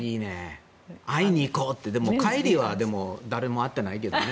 「会いにいこう」ってでも帰りは誰も会っていないけどね。